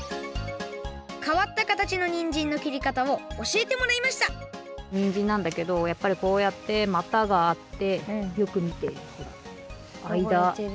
変わった形のにんじんのきりかたをおしえてもらいましたにんじんなんだけどやっぱりこうやってまたがあってよくみてほらあいだ。